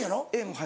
はい。